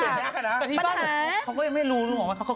อยากน่ะปัญหาแต่ที่บ้านเขาก็ยังไม่รู้เลย